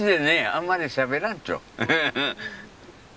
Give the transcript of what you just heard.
あんまりしゃべらんっちょ。